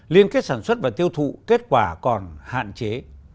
liên kết sản xuất và tiêu thụ kết quả còn hạn chế